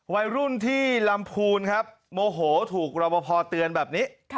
วัยรุ่นที่ลำพูนครับโมโหถูกรอบพอเตือนแบบนี้